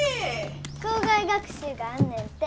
校外学習があんねんて。